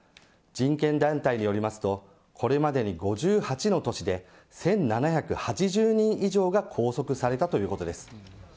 人権団体によりますとこれまでに５８の都市で１７８０人以上が拘束されたということです。